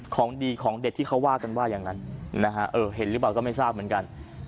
ของดีของเด็ดที่เขาว่ากันว่าอย่างนั้นนะฮะเห็นหรือเปล่าก็ไม่ทราบเหมือนกัน